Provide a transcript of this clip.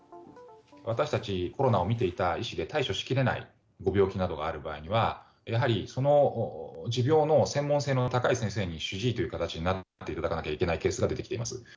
私たち、コロナを診ていた医師で対処しきれないご病気などがある場合は、やはりその持病の専門性の高い先生に、主治医という形になっていただかなきゃいけないケースが出てきています。